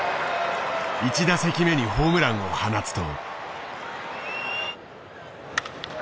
１打席目にホームランを放つと。